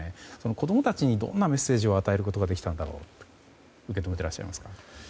子供たちにどんなメッセージを送ることができたんだろうと受け止めていらっしゃいますか？